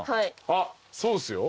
あっそうっすよ。